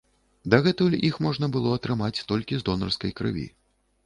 Дагэтуль іх можна было атрымаць толькі з донарскай крыві.